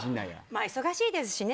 まあ忙しいですしね